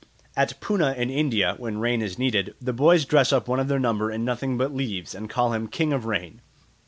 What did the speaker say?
At Poona in India, when rain is needed, the boys dress up one of their number in nothing but leaves and call him King of Rain.